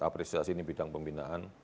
apresiasi ini bidang pembinaan